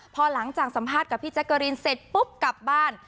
พอหลังจากสัมภาษณ์กับพี่แจ๊กกะรีนเสร็จปุ๊บกลับบ้าน